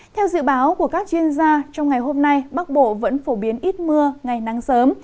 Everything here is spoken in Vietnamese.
theo dự báo của các chuyên gia trong ngày hôm nay bắc bộ vẫn phổ biến ít mưa ngày nắng sớm